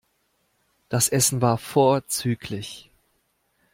Das Essen war vorzüglich.